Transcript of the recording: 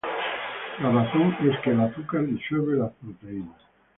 La razón es que el azúcar disuelve las proteínas.